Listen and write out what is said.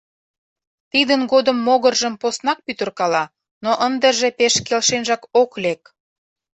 Тидын годым могыржым поснак пӱтыркала, но ындыже пеш келшенжак ок лек.